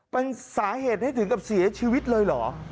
เป็นสาเหตุให้ถึงกับเสียชีวิตเลยเหรอ